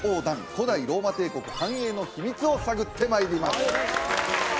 古代ローマ帝国繁栄の秘密を探ってまいります